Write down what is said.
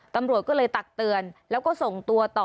ตำรวจก็เลยตักเตือนแล้วก็ส่งตัวต่อ